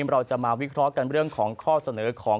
เราจะมาวิเคราะห์กันเรื่องของข้อเสนอของ